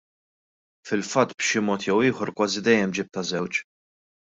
Fil-fatt b'xi mod jew ieħor kważi dejjem ġibtha żewġ.